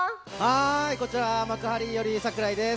こちら幕張より櫻井です。